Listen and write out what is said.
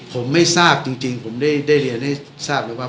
ผมไม่ทราบจริงผมได้เรียนให้ทราบเลยว่า